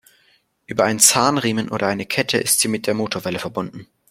Über einen Zahnriemen oder eine Kette ist sie mit der Motorwelle verbunden.